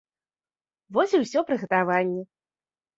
Вось і ўсё прыгатаванне!